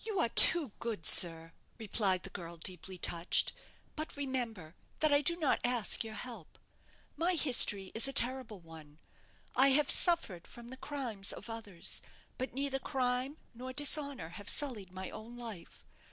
"You are too good, sir," replied the girl, deeply touched; "but remember that I do not ask your help. My history is a terrible one. I have suffered from the crimes of others; but neither crime nor dishonour have sullied my own life.